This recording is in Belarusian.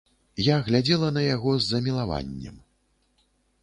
Я глядзела на яго з замілаваннем.